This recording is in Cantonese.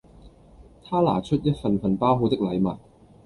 他拿出一份份包好的禮物